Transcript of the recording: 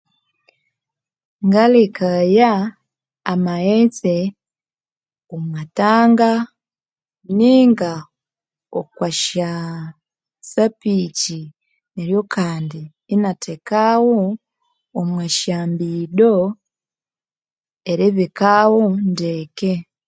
Ngalekaya amaghetse omwa Tanga ninga okwasya sapiki neryo kandi inathekagho omwa syambido eribikagho ndeke